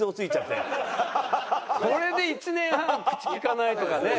これで１年半口利かないとかね。